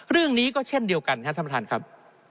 เรื่องนี้ก็เช่นเดียวกันครับท่านประธานครับ